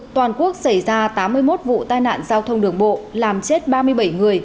toàn quốc xảy ra tám mươi một vụ tai nạn giao thông đường bộ làm chết ba mươi bảy người